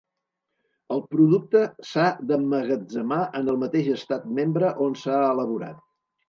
El producte s'ha d'emmagatzemar en el mateix Estat membre on s'ha elaborat.